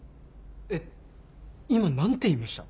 えっ今何て言いました？